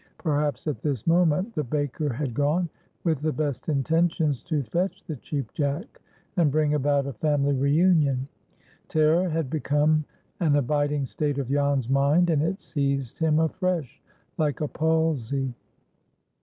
Perhaps at this moment the baker had gone, with the best intentions, to fetch the Cheap Jack, and bring about a family reunion. Terror had become an abiding state of Jan's mind, and it seized him afresh, like a palsy.